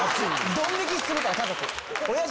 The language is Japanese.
ドン引きするから家族。